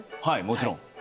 はいもちろん。